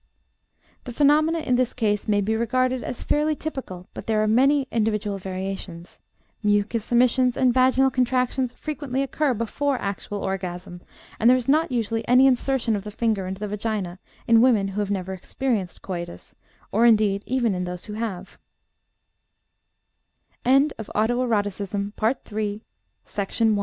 The phenomena in this case may be regarded as fairly typical, but there are many individual variations; mucus emissions and vaginal contractions frequently occur before actual orgasm, and there is not usually any insertion of the finger into the vagina in women who have never experienced coitus, or, ind